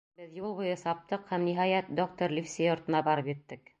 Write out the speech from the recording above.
Беҙ юл буйы саптыҡ һәм, ниһайәт, доктор Ливси йортона барып еттек.